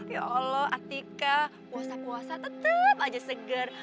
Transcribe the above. ya allah atika puasa puasa tetap aja seger